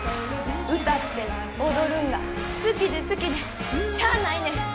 歌って踊るんが好きで好きでしゃあないねん。